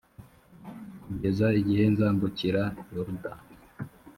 kugeza igihe nzambukira yorudani